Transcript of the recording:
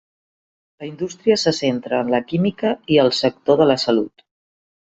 La indústria se centra en la química i el sector de la salut.